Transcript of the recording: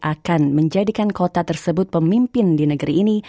akan menjadikan kota tersebut pemimpin di adelaide